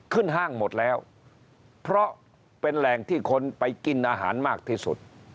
ห้างหมดแล้วเพราะเป็นแหล่งที่คนไปกินอาหารมากที่สุด